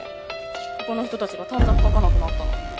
ここの人たちが短冊書かなくなったの。